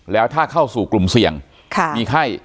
แล้วถ้าเข้าสู่กลุ่มเสี่ยงมีไข้